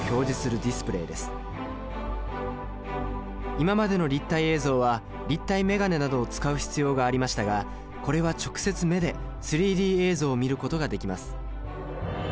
今までの立体映像は立体眼鏡などを使う必要がありましたがこれは直接目で３Ｄ映像を見ることができます。